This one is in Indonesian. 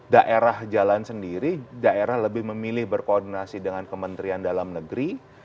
daerah jalan sendiri daerah lebih memilih berkoordinasi dengan kementerian dalam negeri